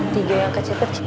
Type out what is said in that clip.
tiga yang kecil kecil